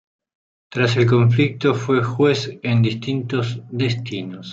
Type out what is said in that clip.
Tras el conflicto fue juez en distintos destinos.